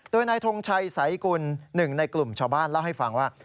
โดยนายทงชัยสายกุลหนึ่งในกลุ่มชาวบ้านเล่าให้ฟังว่า